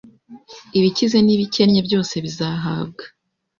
ibikize n'ibikennye byose bizahabwa